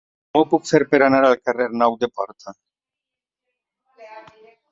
Com ho puc fer per anar al carrer Nou de Porta?